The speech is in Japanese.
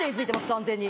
完全に。